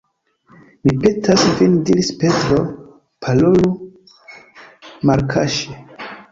Mi petas vin diris Petro, parolu malkaŝe.